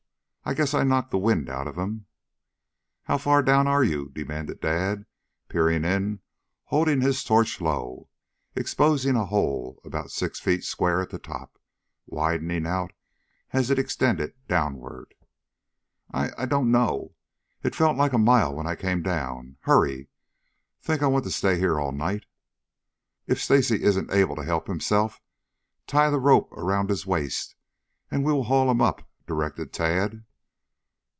I guess I knocked the wind out of him." "How far down are you?" demanded Dad peering in, holding his torch low, exposing a hole about six feet square at the top, widening out as it extended downward. "I I don't know. It felt like a mile when I came down. Hurry. Think I want to stay here all night?" "If Stacy isn't able to help himself, tie the rope around his waist and we will haul him up," directed Tad.